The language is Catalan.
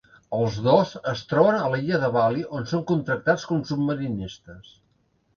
Els dos es troben a l'illa de Bali on són contractats com submarinistes.